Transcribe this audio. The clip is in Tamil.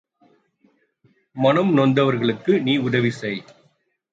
மனம் நொந்தவர்களுக்கு நீ உதவி செய்.